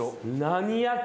何焼き？